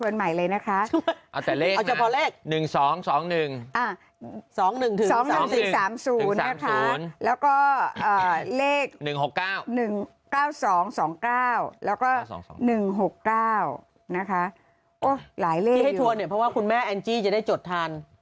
๒๑๒๓๐นะคะแล้วก็เลข๑๖๙๑๙๒๒๙แล้วก็๑๖๙นะคะถูกว่าคุณแม่อันจีจะได้จดทัน